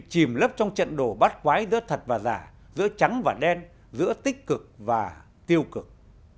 chìm lấp trong trận đồ bát quái giữa thật và giả giữa trắng và đen giữa tích cực và tiêu cực